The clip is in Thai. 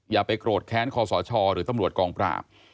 อย่าไปโกรธแค้นคอสชหรือตำรวจกองปราบ